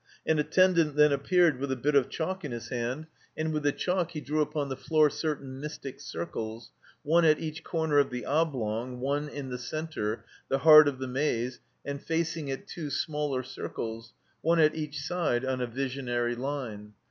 An attendant then appeared with a bit of chalk in his hand, and with the chalk he drew upon the floor certain mystic circles, one at each comer of the oblong, one in the center, the heart of the Maze, and facing it two smaller circles, one at each side on a visionary line.